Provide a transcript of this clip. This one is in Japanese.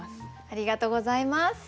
ありがとうございます。